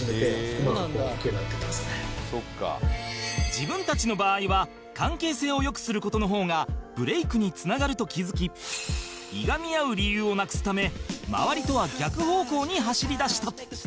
自分たちの場合は関係性を良くする事の方がブレイクに繋がると気づきいがみ合う理由をなくすため周りとは逆方向に走りだした